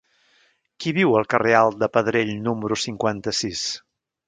Qui viu al carrer Alt de Pedrell número cinquanta-sis?